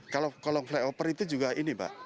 kalau kolong flyover itu juga ini pak